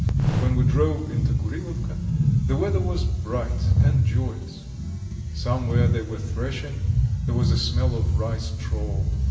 When we drove into Kurilovka the weather was bright and joyous. Somewhere they were threshing; there was a smell of rye straw.